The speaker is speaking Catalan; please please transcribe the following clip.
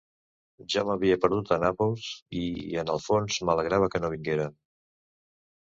Jo m'havia perdut a Nàpols i, en el fons, m'alegrava que no vingueren.